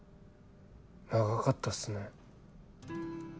長かったっすね。